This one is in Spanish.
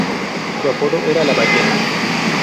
Su apodo era la ballena.